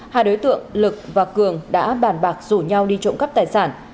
hai đối tượng lực và cường đã bàn bạc rủ nhau đi trộm cắp tài sản